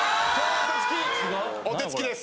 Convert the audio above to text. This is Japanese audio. お手付きです。